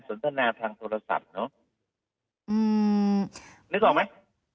ไม่แน่ใจ